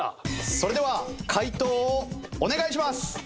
それでは解答をお願いします。